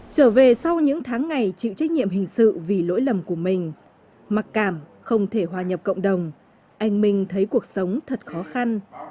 trở về sau những tháng ngày chịu trách nhiệm hình sự vì lỗi lầm của mình mặc cảm không thể hòa nhập cộng đồng anh minh thấy cuộc sống thật khó khăn